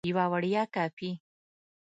یوه وړیا کاپي